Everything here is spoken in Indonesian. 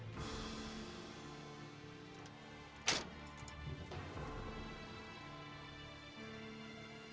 nanti kalau kamu punya suami nggak boleh ngelawan sama suami ya